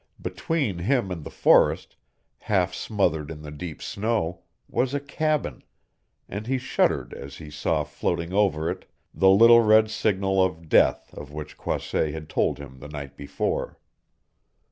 Between him and the forest, half smothered in the deep snow, was a cabin, and he shuddered as he saw floating over it the little red signal of death of which Croisset had told him the night before.